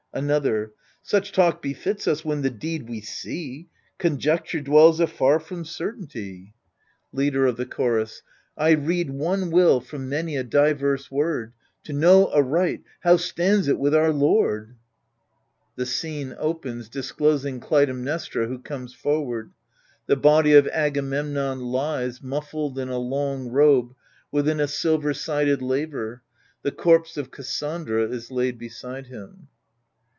Another Such talk befits us when the deed we see^ Conjecture dwells afar from certainty. 64 AGAMEMNON Leader of the Chorus I read one will from many a diverse word, To know aright, how stands it with our lord 1 [TAe scene opens ^ disclosing Clyiemnestray who comes forward. The body of Agamemnon lies, muffled in a longrobe^ within a silver sided lover J the corpse of Cassandra is laid beside him.